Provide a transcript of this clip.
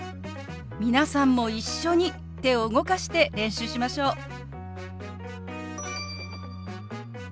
皆さんも一緒に手を動かして練習しましょう。